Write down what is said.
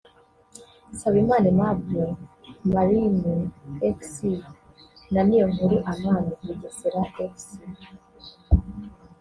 Nsabimana Aimable (Marines Fc) na Niyonkuru Aman (Bugesera Fc)